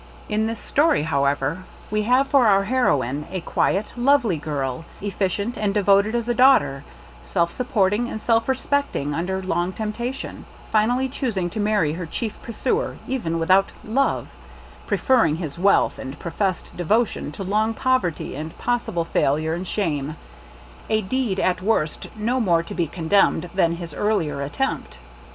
In this story, however, we have for our heroine a quiet, lovely girl, effi cient and devoted as a daughter; self supporting and self respecting under long temptation; finally choosing to marry her chief pursuer even without "love," preferring his wealth and pro fessed devotion to long poverty and possible failure and shame : a deed at worst no more to be condemned than his earlier attempt.